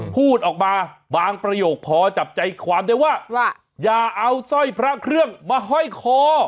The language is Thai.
พูดออกมาบางประโยคพอจับใจความได้ว่าอย่าเอาสร้อยพระเครื่องมาห้อยคอ